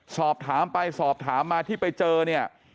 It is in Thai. สอบถามไปสอบถามมาที่ไปเจอเนี่ย